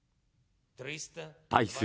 対する